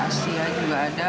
asia juga ada